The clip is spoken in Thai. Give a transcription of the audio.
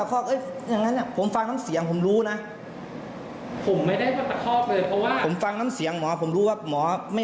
ข้างหน้าคืออะไร